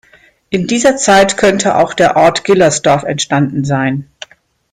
In dieser Zeit könnte auch der Ort Gillersdorf entstanden sein.